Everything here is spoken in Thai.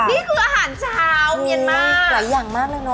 นี่คืออาหารชาวเมียนมาหลายอย่างมากเลยเนาะ